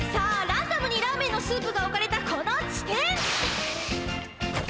ランダムにラーメンのスープがおかれたこの地点。